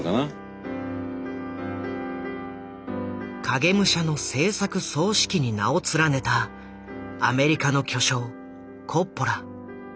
「影武者」の製作総指揮に名を連ねたアメリカの巨匠コッポラ。